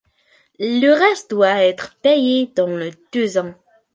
Le reste doit être payé dans les deux ans.